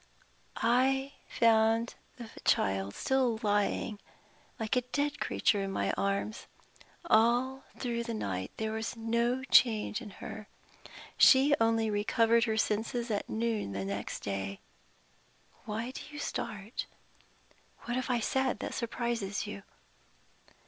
I found the child still lying, like a dead creature, in my arms. All through the night there was no change in her. She only recovered her senses at noon the next day. Why do you start? What have I said that surprises you?"